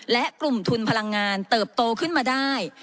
และกลุ่มทุนพลังงานเติบโตขึ้นมาได้